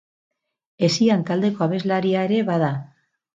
Hesian taldeko abeslaria ere bada.